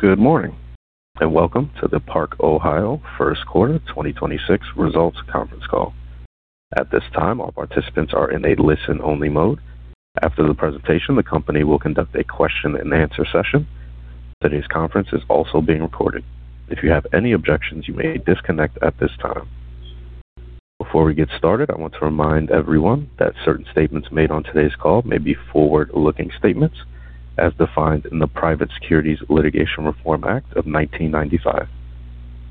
Good morning, welcome to the Park-Ohio first quarter 2026 results conference call. At this time, all participants are in a listen-only mode. After the presentation, the company will conduct a question-and-answer session. Today's conference is also being recorded. If you have any objections, you may disconnect at this time. Before we get started, I want to remind everyone that certain statements made on today's call may be forward-looking statements as defined in the Private Securities Litigation Reform Act of 1995.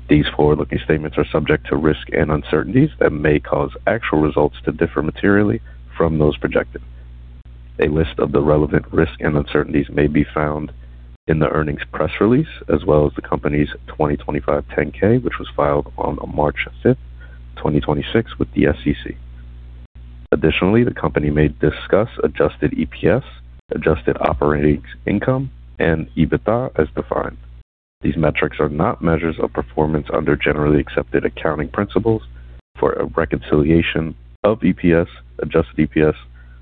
These forward-looking statements are subject to risks and uncertainties that may cause actual results to differ materially from those projected. A list of the relevant risks and uncertainties may be found in the earnings press release, as well as the company's 2025 10-K, which was filed on March 5, 2026 with the SEC. Additionally, the company may discuss adjusted EPS, adjusted operating income, and EBITDA as defined. These metrics are not measures of performance under generally accepted accounting principles. For a reconciliation of EPS, adjusted EPS,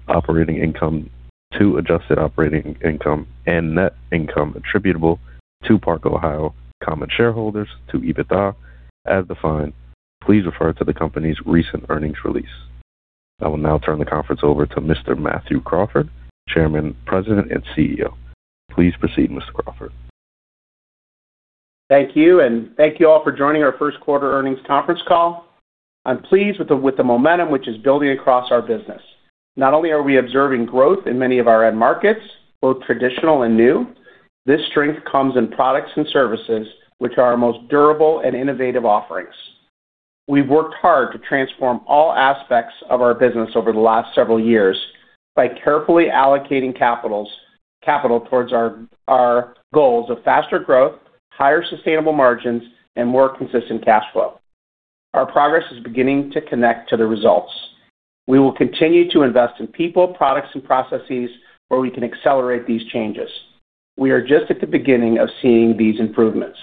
operating income to adjusted operating income, and net income attributable to Park-Ohio common shareholders to EBITDA as defined, please refer to the company's recent earnings release. I will now turn the conference over to Mr. Matthew Crawford, Chairman, President, and CEO. Please proceed, Mr. Crawford. Thank you, and thank you all for joining our first quarter earnings conference call. I'm pleased with the momentum which is building across our business. Not only are we observing growth in many of our end markets, both traditional and new, this strength comes in products and services which are our most durable and innovative offerings. We've worked hard to transform all aspects of our business over the last several years by carefully allocating capital towards our goals of faster growth, higher sustainable margins, and more consistent cash flow. Our progress is beginning to connect to the results. We will continue to invest in people, products, and processes where we can accelerate these changes. We are just at the beginning of seeing these improvements.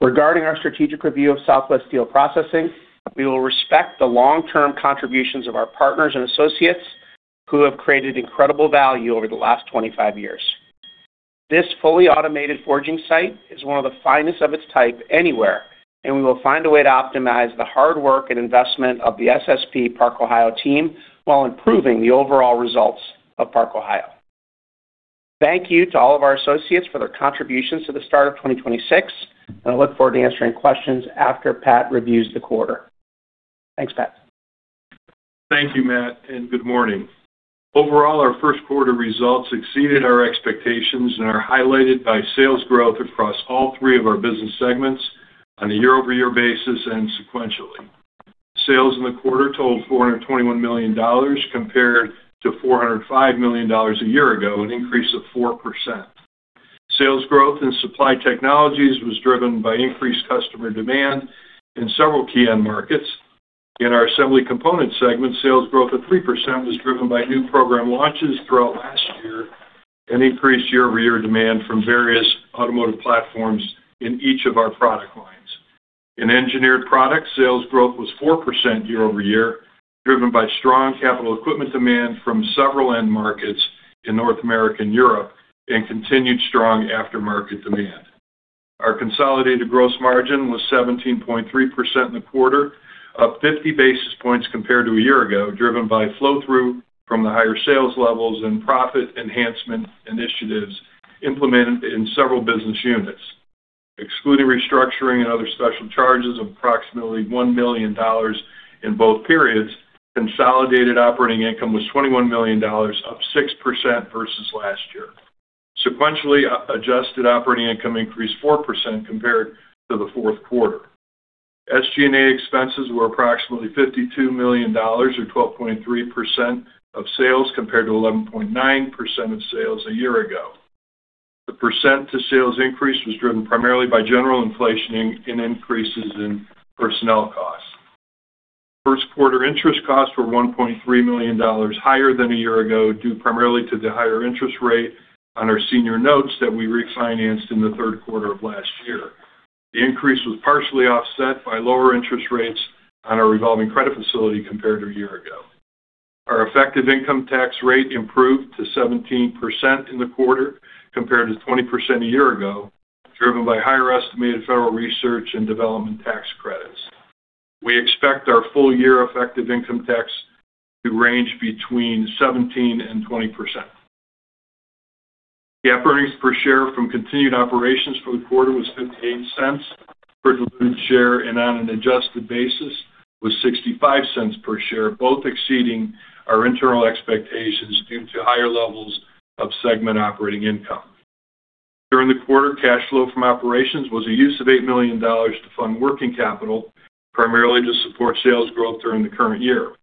Regarding our strategic review of Southwest Steel Processing, we will respect the long-term contributions of our partners and associates who have created incredible value over the last 25 years. This fully automated forging site is one of the finest of its type anywhere, and we will find a way to optimize the hard work and investment of the SSP Park-Ohio team while improving the overall results of Park-Ohio. Thank you to all of our associates for their contributions to the start of 2026, and I look forward to answering questions after Pat reviews the quarter. Thanks, Pat. Thank you, Matt, and good morning. Overall, our first quarter results exceeded our expectations and are highlighted by sales growth across all three of our business segments on a year-over-year basis and sequentially. Sales in the quarter totaled $421 million compared to $405 million a year ago, an increase of 4%. Sales growth in Supply Technologies was driven by increased customer demand in several key end markets. In our Assembly Components segment, sales growth of 3% was driven by new program launches throughout last year and increased year-over-year demand from various automotive platforms in each of our product lines. In Engineered Products, sales growth was 4% year-over-year, driven by strong capital equipment demand from several end markets in North America and Europe and continued strong aftermarket demand. Our consolidated gross margin was 17.3% in the quarter, up 50 basis points compared to a year ago, driven by flow-through from the higher sales levels and profit enhancement initiatives implemented in several business units. Excluding restructuring and other special charges of approximately $1 million in both periods, consolidated operating income was $21 million, up 6% versus last year. Sequentially, adjusted operating income increased 4% compared to the fourth quarter. SG&A expenses were approximately $52 million, or 12.3% of sales, compared to 11.9% of sales a year ago. The percent to sales increase was driven primarily by general inflation in increases in personnel costs. First quarter interest costs were $1.3 million higher than a year ago, due primarily to the higher interest rate on our senior notes that we refinanced in the third quarter of last year. The increase was partially offset by lower interest rates on our revolving credit facility compared to a year ago. Our effective income tax rate improved to 17% in the quarter compared to 20% a year ago, driven by higher estimated federal research and development tax credits. We expect our full year effective income tax to range between 17% and 20%. The earnings per share from continued operations for the quarter was $0.58 per diluted share and on an adjusted basis was $0.65 per share, both exceeding our internal expectations due to higher levels of segment operating income. During the quarter, cash flow from operations was a use of $8 million to fund working capital, primarily to support sales growth during the current year.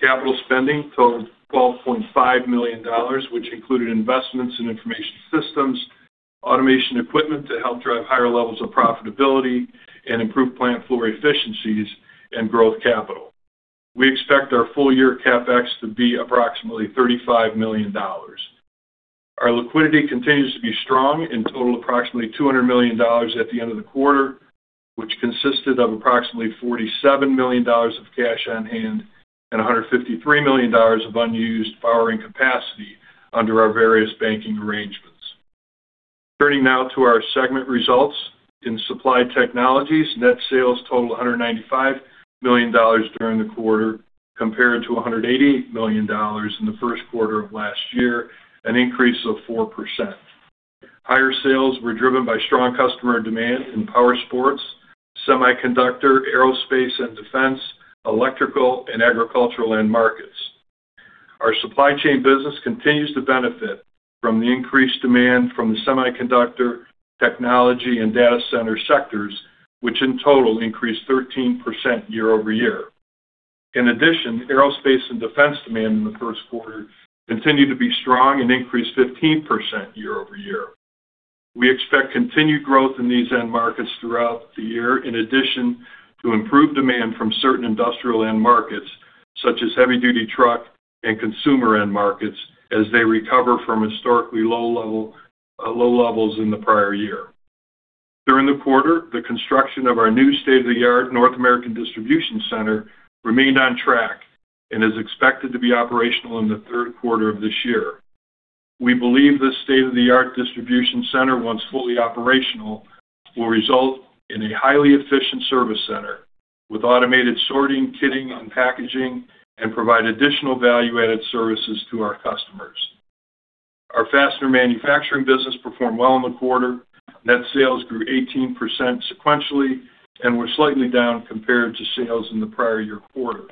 Capital spending totaled $12.5 million, which included investments in information systems, automation equipment to help drive higher levels of profitability, and improve plant floor efficiencies, and growth capital. We expect our full year CapEx to be approximately $35 million. Our liquidity continues to be strong and totaled approximately $200 million at the end of the quarter, which consisted of approximately $47 million of cash on hand and $153 million of unused borrowing capacity under our various banking arrangements. Turning now to our segment results. In Supply Technologies, net sales totaled $195 million during the quarter compared to $188 million in the first quarter of last year, an increase of 4%. Higher sales were driven by strong customer demand in powersports, semiconductor, aerospace and defense, electrical, and agricultural end markets. Our supply chain business continues to benefit from the increased demand from the semiconductor, technology, and data center sectors, which in total increased 13% year-over-year. In addition, aerospace and defense demand in the first quarter continued to be strong and increased 15% year-over-year. We expect continued growth in these end markets throughout the year, in addition to improved demand from certain industrial end markets, such as heavy duty truck and consumer end markets as they recover from historically low levels in the prior year. During the quarter, the construction of our new state-of-the-art North American distribution center remained on track and is expected to be operational in the third quarter of this year. We believe this state-of-the-art distribution center, once fully operational, will result in a highly efficient service center with automated sorting, kitting, and packaging, and provide additional value-added services to our customers. Our fastener manufacturing business performed well in the quarter. Net sales grew 18% sequentially and were slightly down compared to sales in the prior year quarter.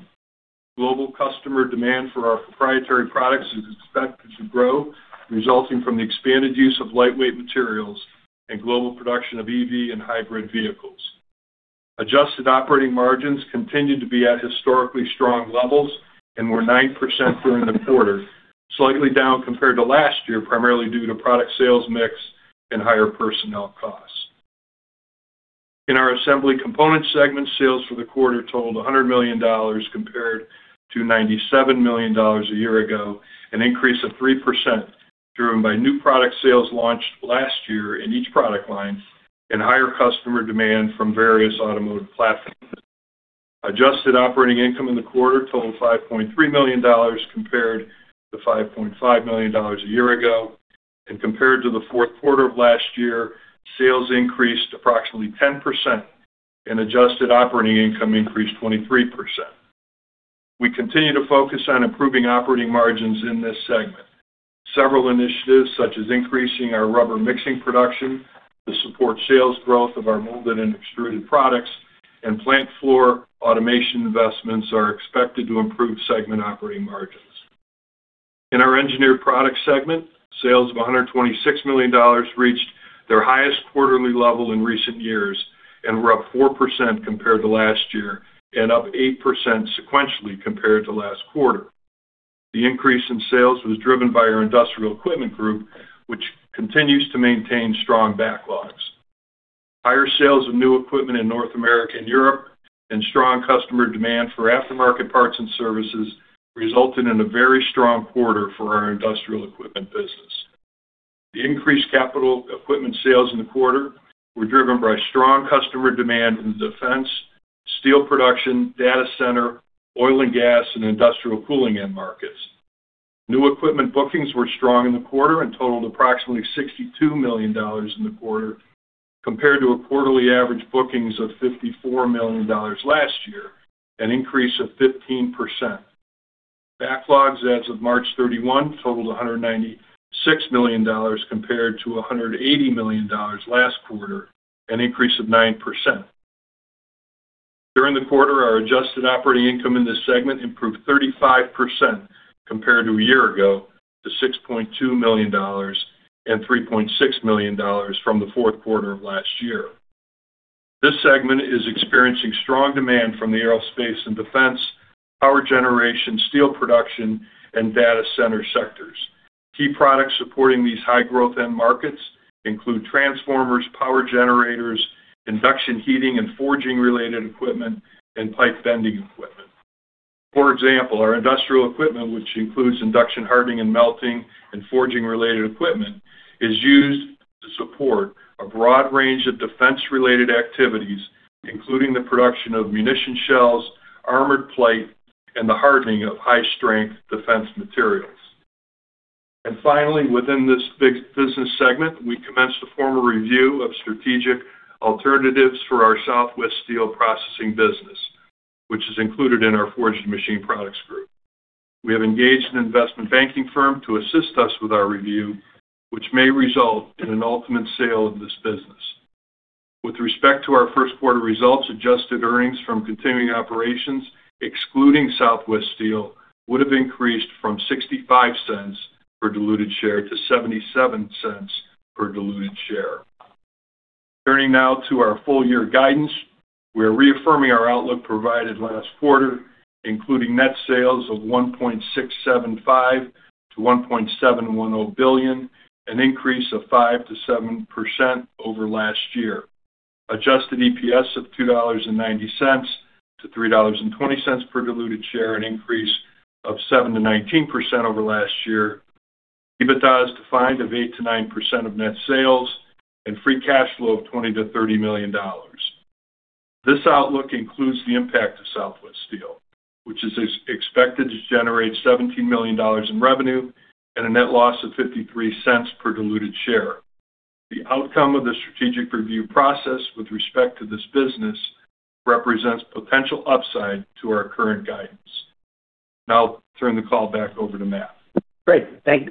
Global customer demand for our proprietary products is expected to grow, resulting from the expanded use of lightweight materials and global production of EV and hybrid vehicles. Adjusted operating margins continued to be at historically strong levels and were 9% during the quarter, slightly down compared to last year, primarily due to product sales mix and higher personnel costs. In our Assembly Components segment, sales for the quarter totaled $100 million compared to $97 million a year ago, an increase of 3% driven by new product sales launched last year in each product line and higher customer demand from various automotive platforms. Adjusted operating income in the quarter totaled $5.3 million compared to $5.5 million a year ago. Compared to the fourth quarter of last year, sales increased approximately 10% and adjusted operating income increased 23%. We continue to focus on improving operating margins in this segment. Several initiatives, such as increasing our rubber mixing production to support sales growth of our molded and extruded products and plant floor automation investments, are expected to improve segment operating margins. In our Engineered Products segment, sales of $126 million reached their highest quarterly level in recent years and were up 4% compared to last year and up 8% sequentially compared to last quarter. The increase in sales was driven by our industrial equipment group, which continues to maintain strong backlogs. Higher sales of new equipment in North America and Europe and strong customer demand for aftermarket parts and services resulted in a very strong quarter for our industrial equipment business. The increased capital equipment sales in the quarter were driven by strong customer demand in defense, steel production, data center, oil and gas, and industrial cooling end markets. New equipment bookings were strong in the quarter and totaled approximately $62 million in the quarter compared to a quarterly average bookings of $54 million last year, an increase of 15%. Backlogs as of March 31 totaled $196 million compared to $180 million last quarter, an increase of 9%. During the quarter, our adjusted operating income in this segment improved 35% compared to a year ago to $6.2 million and $3.6 million from the fourth quarter of last year. This segment is experiencing strong demand from the aerospace and defense, power generation, steel production, and data center sectors. Key products supporting these high-growth end markets include transformers, power generators, induction heating and forging-related equipment, and pipe bending equipment. For example, our industrial equipment, which includes induction hardening and melting and forging-related equipment, is used to support a broad range of defense-related activities, including the production of munition shells, armored plate, and the hardening of high-strength defense materials. Finally, within this business segment, we commenced a formal review of strategic alternatives for our Southwest Steel Processing business, which is included in our Forged and Machined Products group. We have engaged an investment banking firm to assist us with our review, which may result in an ultimate sale of this business. With respect to our first quarter results, adjusted earnings from continuing operations, excluding Southwest Steel, would have increased from $0.65 per diluted share to $0.77 per diluted share. Turning now to our full year guidance. We are reaffirming our outlook provided last quarter, including net sales of $1.675 billion-$1.71 billion, an increase of 5%-7% over last year. Adjusted EPS of $2.90-$3.20 per diluted share, an increase of 7%-19% over last year. EBITDA is defined of 8%-9% of net sales, and free cash flow of $20 million-$30 million. This outlook includes the impact of Southwest Steel, which is expected to generate $17 million in revenue and a net loss of $0.53 per diluted share. The outcome of the strategic review process with respect to this business represents potential upside to our current guidance. Now I'll turn the call back over to Matt. Great. Excuse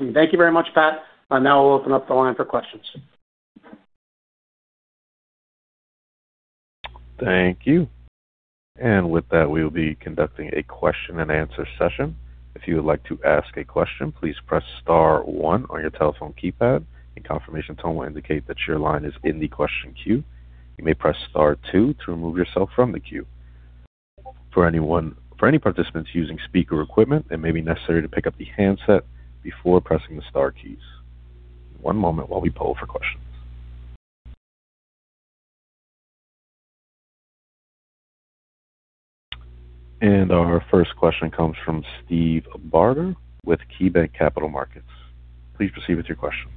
me. Thank you very much, Pat. We'll open up the line for questions. Thank you. With that, we will be conducting a question and answer session. If you would like to ask a question, please press star one on your telephone keypad. A confirmation tone will indicate that your line is in the question queue. You may press star two to remove yourself from the queue. For any participants using speaker equipment, it may be necessary to pick up the handset before pressing the star keys. One moment while we poll for questions. Our first question comes from Steve Barger with KeyBanc Capital Markets. Please proceed with your question.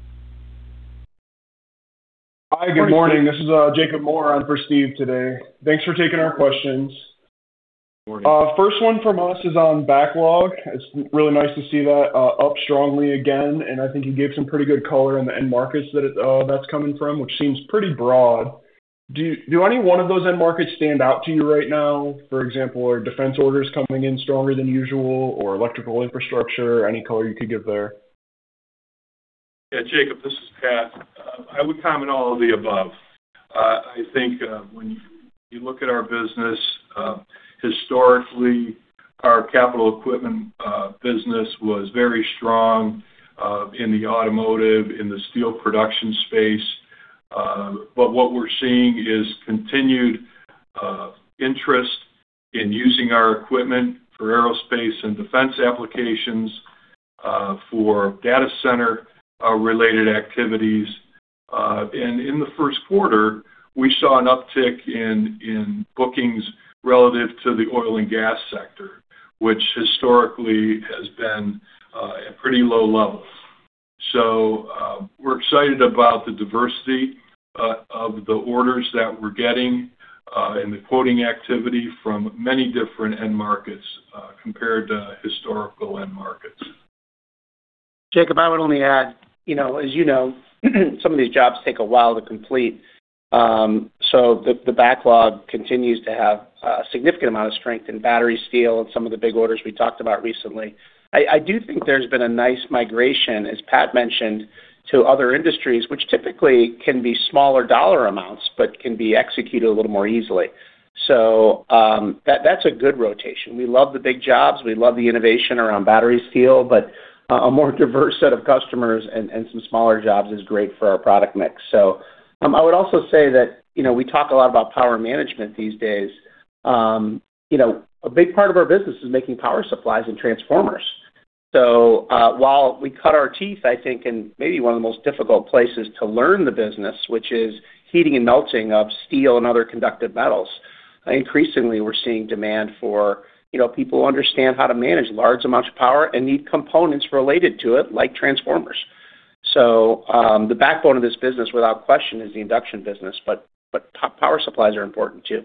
Hi, good morning. This is Jacob Moore for Steve today. Thanks for taking our questions. Good morning. First one from us is on backlog. It's really nice to see that up strongly again. I think you gave some pretty good color on the end markets that that's coming from, which seems pretty broad. Do any one of those end markets stand out to you right now? For example, are defense orders coming in stronger than usual or electrical infrastructure? Any color you could give there? Jacob, this is Pat. I would comment all of the above. I think when you look at our business, historically, our capital equipment business was very strong in the automotive, in the steel production space. What we're seeing is continued interest in using our equipment for aerospace and defense applications, for data center related activities. In the first quarter, we saw an uptick in bookings relative to the oil and gas sector, which historically has been at pretty low levels. We're excited about the diversity of the orders that we're getting and the quoting activity from many different end markets compared to historical end markets. Jacob, I would only add, you know, as you know, some of these jobs take a while to complete. The backlog continues to have a significant amount of strength in battery steel and some of the big orders we talked about recently. I do think there's been a nice migration, as Pat mentioned, to other industries, which typically can be smaller dollar amounts, but can be executed a little more easily. That's a good rotation. We love the big jobs, we love the innovation around battery steel, but a more diverse set of customers and some smaller jobs is great for our product mix. I would also say that, you know, we talk a lot about power management these days. You know, a big part of our business is making power supplies and transformers. While we cut our teeth, I think, in maybe one of the most difficult places to learn the business, which is heating and melting of steel and other conductive metals. Increasingly, we're seeing demand for, you know, people who understand how to manage large amounts of power and need components related to it, like transformers. The backbone of this business, without question, is the induction business, but power supplies are important too.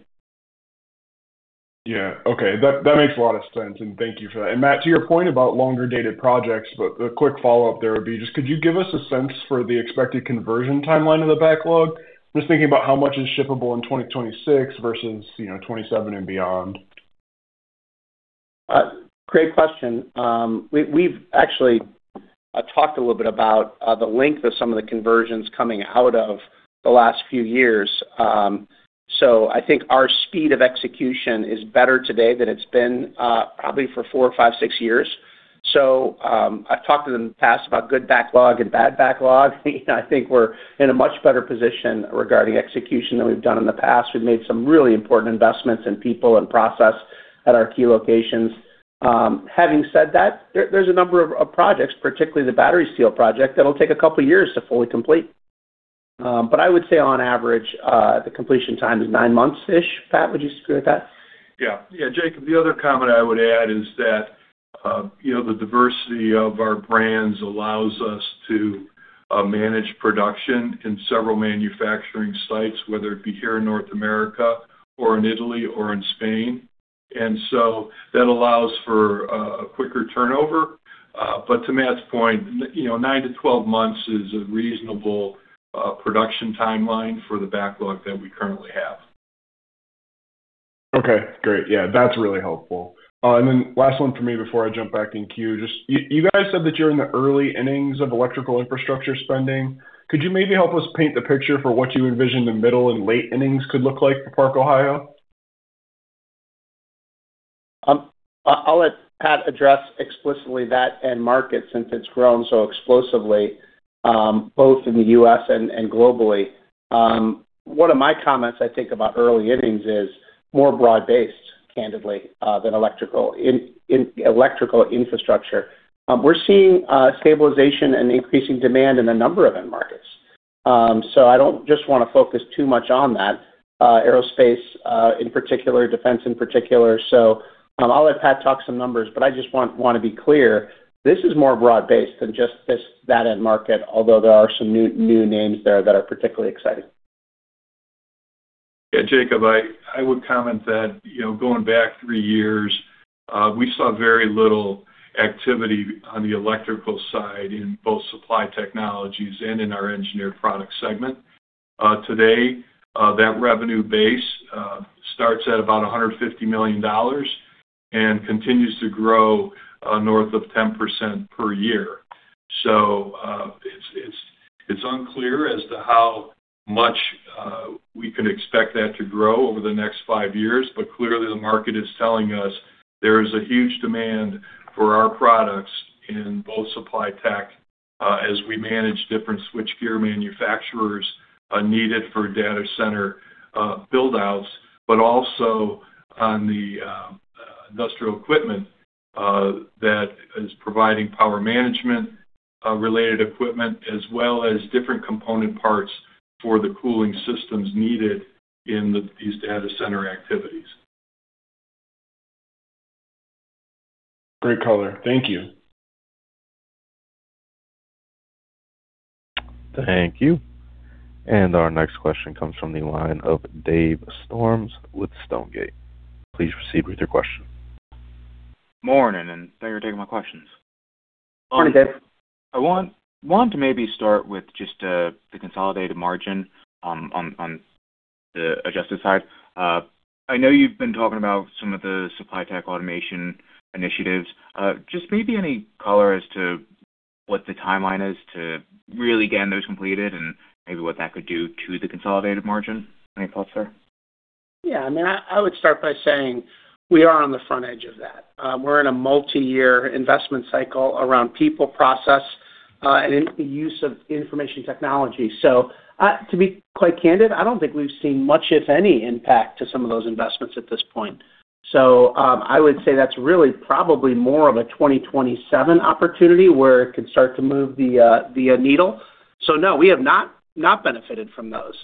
Yeah. Okay. That makes a lot of sense. Thank you for that. Matt, to your point about longer-dated projects, a quick follow-up there would be, could you give us a sense for the expected conversion timeline of the backlog? Thinking about how much is shippable in 2026 versus, you know, 2027 and beyond. Great question. We've actually talked a little bit about the length of some of the conversions coming out of the last few years. I think our speed of execution is better today than it's been probably for four, five, six years. I've talked in the past about good backlog and bad backlog. You know, I think we're in a much better position regarding execution than we've done in the past. We've made some really important investments in people and process at our key locations. Having said that, there's a number of projects, particularly the battery steel project, that'll take couple of years to fully complete. I would say on average, the completion time is nine months-ish. Pat, would you agree with that? Yeah, Jacob, the other comment I would add is that, you know, the diversity of our brands allows us to manage production in several manufacturing sites, whether it be here in North America or in Italy or in Spain. That allows for a quicker turnover. But to Matt's point, you know, nine to twelve months is a reasonable production timeline for the backlog that we currently have. Okay, great. Yeah, that's really helpful. Last one for me before I jump back in queue. Just you guys said that you're in the early innings of electrical infrastructure spending. Could you maybe help us paint the picture for what you envision the middle and late innings could look like for Park-Ohio? I'll let Pat address explicitly that end market since it's grown so explosively, both in the U.S. and globally. One of my comments I think about early innings is more broad-based, candidly, than electrical in electrical infrastructure. We're seeing stabilization and increasing demand in a number of end markets. So I don't just wanna focus too much on that, aerospace in particular, defense in particular. I'll let Pat talk some numbers, but I just wanna be clear, this is more broad-based than just that end market, although there are some new names there that are particularly exciting. Jacob, I would comment that, you know, going back three years, we saw very little activity on the electrical side in both Supply Technologies and in our Engineered Products segment. Today, that revenue base starts at about $150 million and continues to grow north of 10% per year. It's unclear as to how much we could expect that to grow over the next five years, but clearly the market is telling us there is a huge demand for our products in both Supply Technologies, as we manage different switchgear manufacturers needed for data center build-outs, but also on the industrial equipment that is providing power management related equipment, as well as different component parts for the cooling systems needed in these data center activities. Great color. Thank you. Thank you. Our next question comes from the line of Dave Storms with Stonegate. Please proceed with your question. Morning. Thank you for taking my questions. Morning, Dave. I want to maybe start with just the consolidated margin on the adjusted side. I know you've been talking about some of the Supply Technologies automation initiatives. just maybe any color as to what the timeline is to really getting those completed and maybe what that could do to the consolidated margin. Any thoughts there? I mean, I would start by saying we are on the front edge of that. We're in a multi-year investment cycle around people, process, and the use of information technology. To be quite candid, I don't think we've seen much, if any, impact to some of those investments at this point. I would say that's really probably more of a 2027 opportunity where it could start to move the needle. No, we have not benefited from those.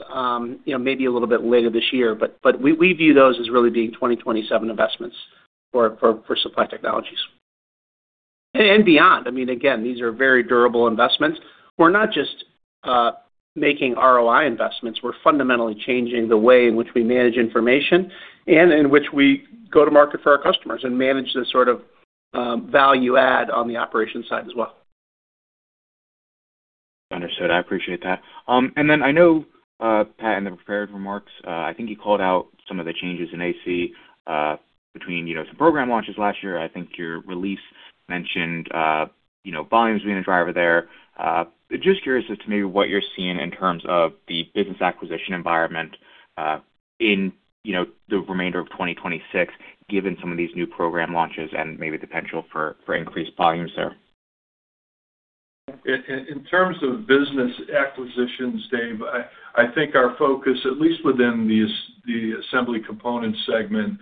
You know, maybe a little bit later this year, but we view those as really being 2027 investments for Supply Technologies. And beyond. I mean, again, these are very durable investments. We're not just making ROI investments. We're fundamentally changing the way in which we manage information and in which we go to market for our customers and manage the sort of, value add on the operations side as well. Understood. I appreciate that. I know, Pat, in the prepared remarks, I think you called out some of the changes in AC, between, you know, some program launches last year. I think your release mentioned, you know, volume's been a driver there. Just curious as to maybe what you're seeing in terms of the business acquisition environment, in, you know, the remainder of 2026, given some of these new program launches and maybe the potential for increased volumes there. In terms of business acquisitions, Dave, I think our focus, at least within the Assembly Components segment,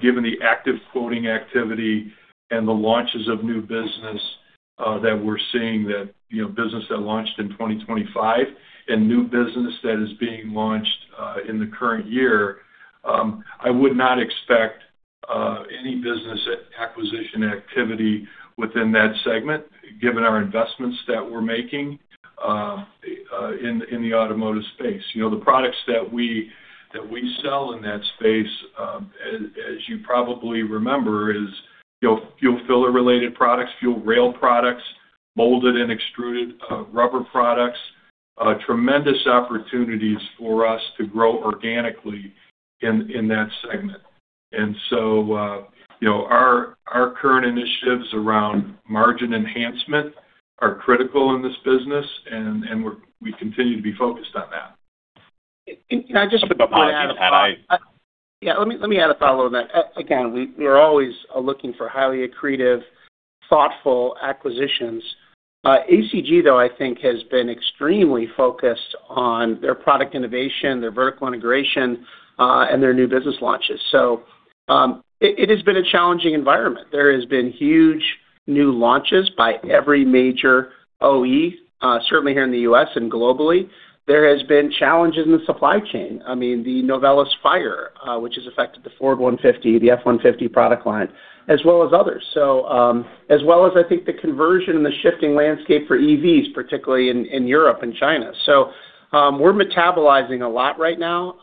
given the active quoting activity and the launches of new business that we're seeing that, you know, business that launched in 2025 and new business that is being launched in the current year, I would not expect any business acquisition activity within that segment, given our investments that we're making in the automotive space. You know, the products that we sell in that space, as you probably remember is fuel filler-related products, fuel rail products, molded and extruded rubber products, tremendous opportunities for us to grow organically in that segment. You know, our current initiatives around margin enhancement are critical in this business, and we continue to be focused on that. Can I just add a follow-up? Yeah, let me add a follow on that. Again, we're always looking for highly accretive, thoughtful acquisitions. ACG, though, I think, has been extremely focused on their product innovation, their vertical integration, and their new business launches. It has been a challenging environment. There has been huge new launches by every major OE, certainly here in the U.S. and globally. There has been challenges in the supply chain. I mean, the Novelis fire, which has affected the Ford F-150, the F-150 product line, as well as others. As well as I think the conversion and the shifting landscape for EVs, particularly in Europe and China. We're metabolizing a lot right now,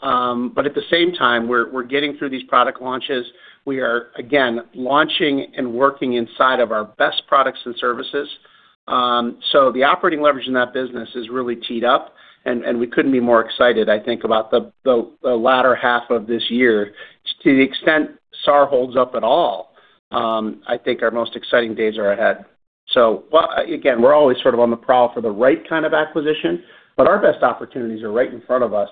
but at the same time, we're getting through these product launches. We are, again, launching and working inside of our best products and services. The operating leverage in that business is really teed up, and we couldn't be more excited, I think, about the latter half of this year. To the extent SAAR holds up at all, I think our most exciting days are ahead. Well, again, we're always sort of on the prowl for the right kind of acquisition, but our best opportunities are right in front of us,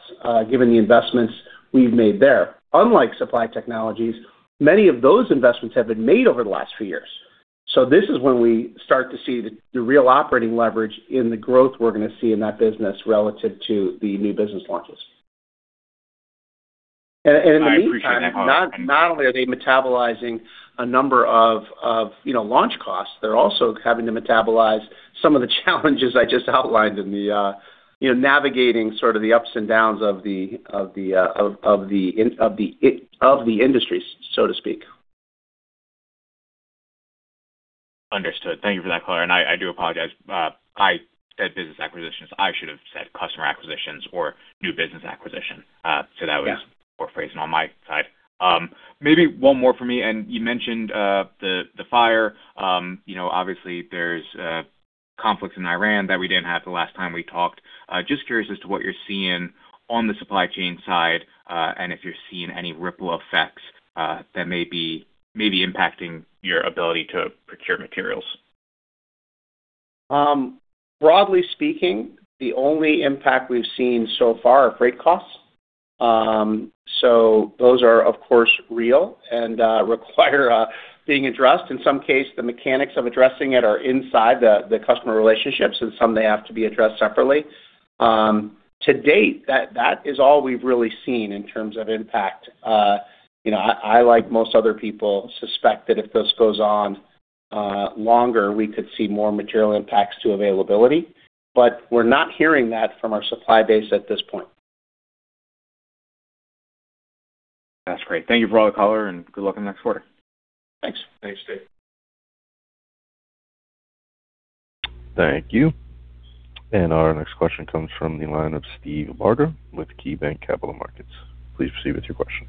given the investments we've made there. Unlike Supply Technologies, many of those investments have been made over the last few years. This is when we start to see the real operating leverage in the growth we're going to see in that business relative to the new business launches. I appreciate that, Crawford. Not only are they metabolizing a number of, you know, launch costs, they're also having to metabolize some of the challenges I just outlined in the, you know, navigating sort of the ups and downs of the industries, so to speak. Understood. Thank you for that color. I do apologize, I said business acquisitions. I should have said customer acquisitions or new business acquisition- Yeah poor phrasing on my side. Maybe one more for me. You mentioned the fire. You know, obviously there's conflicts in Iran that we didn't have the last time we talked. I'm just curious as to what you're seeing on the supply chain side, and if you're seeing any ripple effects that may be impacting your ability to procure materials. Broadly speaking, the only impact we've seen so far are freight costs. Those are, of course, real and require being addressed. In some case, the mechanics of addressing it are inside the customer relationships, and some may have to be addressed separately. To date, that is all we've really seen in terms of impact. You know, I like most other people suspect that if this goes on longer, we could see more material impacts to availability. We're not hearing that from our supply base at this point. That's great. Thank you for all the color, and good luck on next quarter. Thanks. Thanks, Dave. Thank you. Our next question comes from the line of Steve Barger with KeyBanc Capital Markets. Please proceed with your question.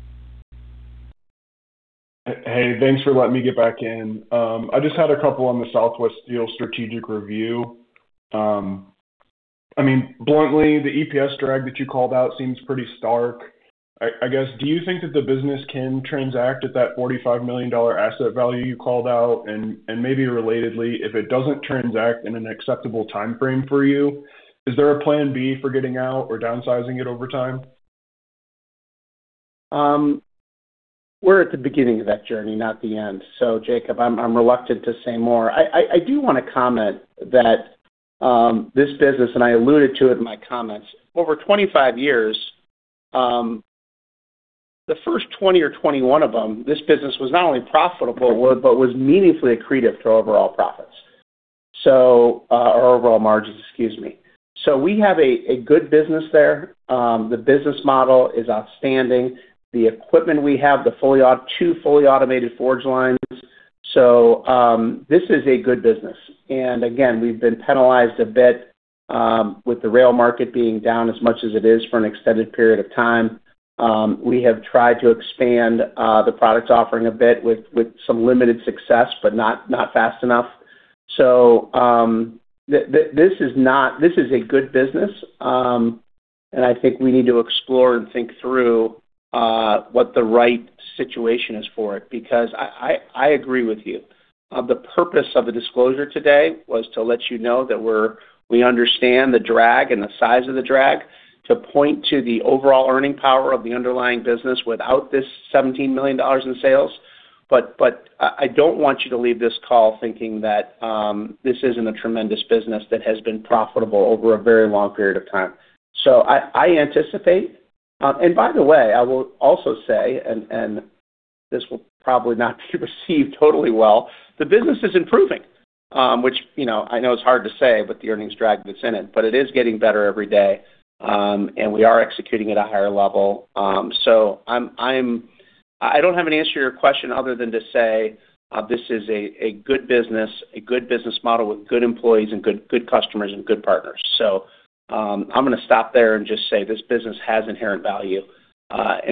Hey, thanks for letting me get back in. I just had a couple on the Southwest Steel strategic review. I mean, bluntly, the EPS drag that you called out seems pretty stark. I guess, do you think that the business can transact at that $45 million asset value you called out? Maybe relatedly, if it doesn't transact in an acceptable timeframe for you, is there a plan B for getting out or downsizing it over time? We're at the beginning of that journey, not the end. Jacob, I'm reluctant to say more. I do want to comment that this business, and I alluded to it in my comments, over 25 years, the first 20 or 21 of them, this business was not only profitable, but was meaningfully accretive to overall profits. Or overall margins, excuse me. We have a good business there. The business model is outstanding. The equipment we have, the two fully automated forge lines. This is a good business. Again, we've been penalized a bit with the rail market being down as much as it is for an extended period of time. We have tried to expand the products offering a bit with some limited success, but not fast enough. This is not this is a good business, and I think we need to explore and think through what the right situation is for it, because I agree with you. The purpose of the disclosure today was to let you know that we understand the drag and the size of the drag to point to the overall earning power of the underlying business without this $17 million in sales. I don't want you to leave this call thinking that this isn't a tremendous business that has been profitable over a very long period of time. I anticipate. By the way, I will also say, and this will probably not be received totally well, the business is improving. Which, you know, I know it's hard to say with the earnings drag that's in it, but it is getting better every day. We are executing at a higher level. I don't have an answer to your question other than to say, this is a good business, a good business model with good employees and good customers and good partners. I'm gonna stop there and just say this business has inherent value.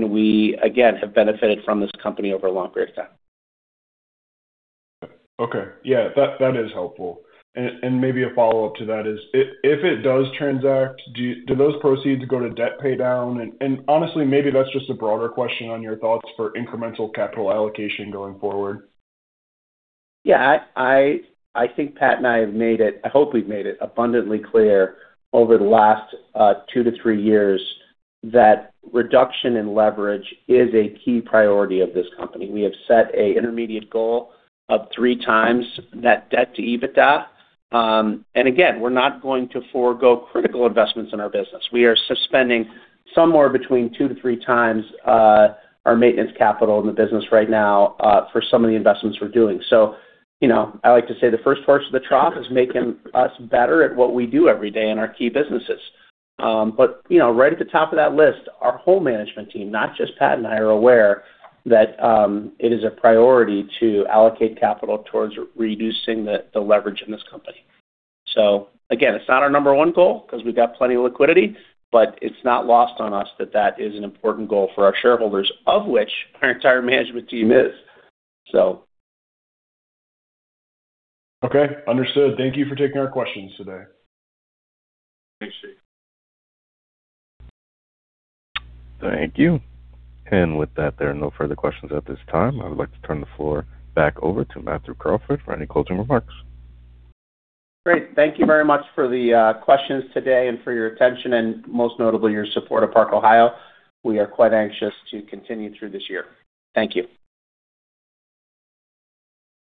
We again, have benefited from this company over a long period of time. Okay. Yeah. That is helpful. Maybe a follow-up to that is if it does transact, do those proceeds go to debt pay down? Honestly, maybe that's just a broader question on your thoughts for incremental capital allocation going forward. I hope we've made it abundantly clear over the last two to three years that reduction in leverage is a key priority of this company. We have set a intermediate goal of 3x net debt to EBITDA. Again, we're not going to forego critical investments in our business. We are suspending somewhere between 2x-3x our maintenance capital in the business right now for some of the investments we're doing. You know, I like to say the first parts of the trough is making us better at what we do every day in our key businesses. You know, right at the top of that list, our whole management team, not just Pat and I, are aware that it is a priority to allocate capital towards reducing the leverage in this company. Again, it's not our number one goal because we've got plenty of liquidity, but it's not lost on us that is an important goal for our shareholders, of which our entire management team is. Okay, understood. Thank you for taking our questions today. Thanks, Steve. Thank you. With that, there are no further questions at this time. I would like to turn the floor back over to Matthew Crawford for any closing remarks. Great. Thank you very much for the questions today and for your attention and most notably your support of Park-Ohio. We are quite anxious to continue through this year. Thank you.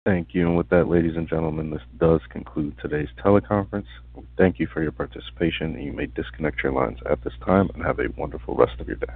Thank you. With that, ladies and gentlemen, this does conclude today's teleconference. Thank you for your participation, and you may disconnect your lines at this time, and have a wonderful rest of your day.